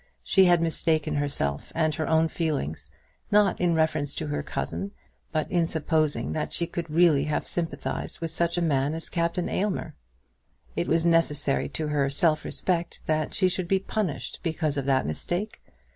She had mistaken herself and her own feelings, not in reference to her cousin, but in supposing that she could really have sympathised with such a man as Captain Aylmer. It was necessary to her self respect that she should be punished because of that mistake.